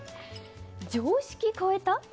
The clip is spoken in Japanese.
常識超えた！？